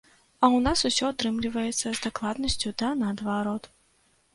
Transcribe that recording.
А ў нас ўсё атрымліваецца з дакладнасцю да наадварот.